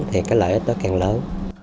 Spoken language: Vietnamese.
thì cái lợi ích đó càng lớn